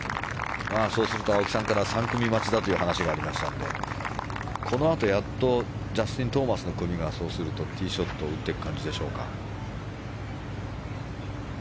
そうすると青木さんから３組待ちだという話がありましたのでこのあと、やっとジャスティン・トーマスの組がそうするとティーショットを打っていく感じでしょうか。